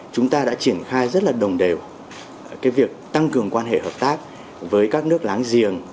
chúng ta đã triển khai rất là đồng đều việc tăng cường quan hệ hợp tác với các nước láng giềng